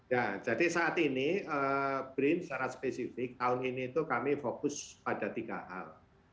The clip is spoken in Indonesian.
ya jadi saat ini brin secara spesifik tahun ini itu kami fokus pada tiga hal